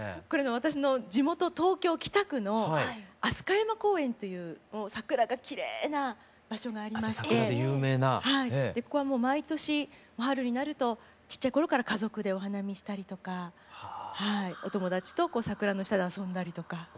これが私の地元東京・北区の飛鳥山公園という桜がきれいな場所がありましてここは毎年春になるとちっちゃい頃から家族でお花見したりとかお友達と桜の下で遊んだりとか。